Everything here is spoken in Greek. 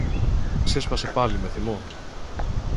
ξέσπασε πάλι με θυμό.